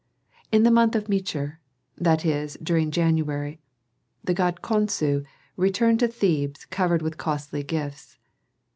In the month of Mechir that is, during January the god Khonsu returned to Thebes covered with costly gifts.